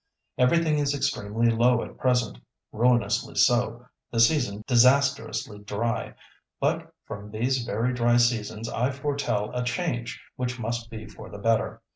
Everything is extremely low at present—ruinously so, the season disastrously dry. But from these very dry seasons I foretell a change which must be for the better.